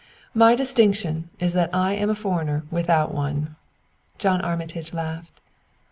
My distinction is that I am a foreigner without one!" John Armitage laughed.